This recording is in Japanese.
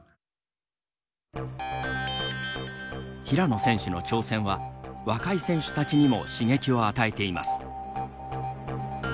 平野選手の挑戦は若い選手たちにも刺激を与えています。